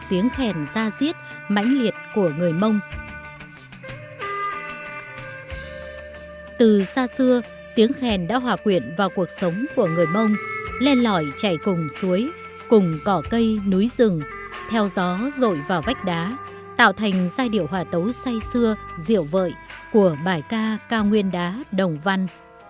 tiếng khen đã hòa quyện vào cuộc sống của người mông lên lõi chạy cùng suối cùng cỏ cây núi rừng theo gió rội vào vách đá tạo thành giai điệu hòa tấu say xưa diệu vợi của bài ca cao nguyên đá đồng văn